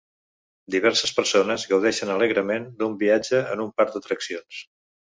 Diverses persones gaudeixen alegrement d'un viatge en un parc d'atraccions.